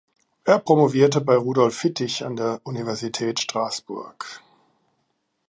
Er promovierte bei Rudolph Fittig an der Universität Straßburg.